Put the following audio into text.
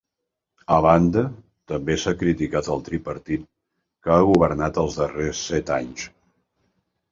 A banda, també s'ha criticat el tripartit que ha governat els darrers set anys.